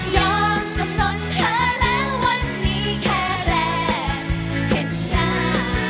ยอมจำนวนเธอแล้ววันนี้แค่แรกเห็นหน้า